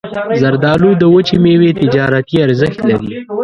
زردالو د وچې میوې تجارتي ارزښت لري.